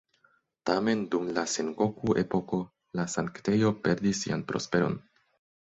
Tamen, dum la Sengoku-epoko la sanktejo perdis sian prosperon.